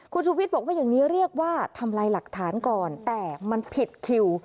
คุณชูวิทย์บอกว่าอย่างนี้เรียกว่าทำลายหลักฐานก่อนแต่มันผิดคิว